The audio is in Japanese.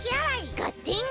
がってん！